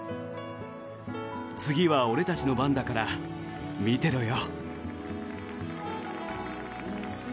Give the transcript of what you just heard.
次は俺たちの番だから見てろよ。